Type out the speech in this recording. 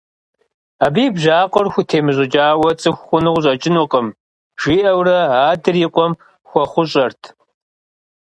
Абы и бжьакъуэр хутемыщӀыкӀауэ цӀыху хъуну къыщӀэкӀынукъым, – жиӀэурэ адэр и къуэм хуэхъущӀэрт.